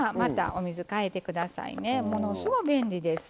ものすごい便利です。